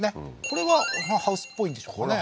これはハウスっぽいんでしょうかね